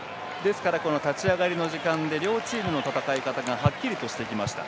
立ち上がりの時間で両チームの戦い方がはっきりとしてきました。